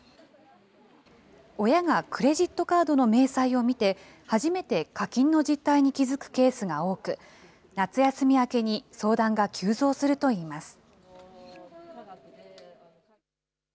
親がクレジットカードの明細を見て、初めて課金の実態に気付くケースが多く、夏休み明けに相談が急増するといいます。